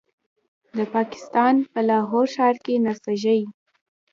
د پاکستان په لاهور ښار کې د نرښځې